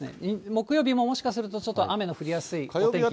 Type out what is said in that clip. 木曜日も、もしかするとちょっと雨の降りやすいお天気。